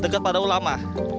deket pada ulama